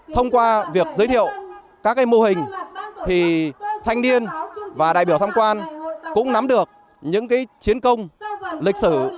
thông qua việc giới thiệu các mô hình thì thanh niên và đại biểu tham quan cũng nắm được những chiến công lịch sử